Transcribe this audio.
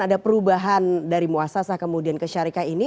ada perubahan dari muassasa kemudian ke syarikat ini